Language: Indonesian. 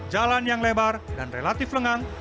jalan yang lebar dan relatif lengang